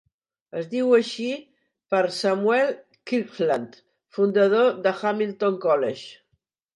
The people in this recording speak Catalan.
Es diu així per Samuel Kirkland, fundador de Hamilton College.